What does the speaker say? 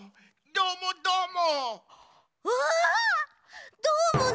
どーもどーも！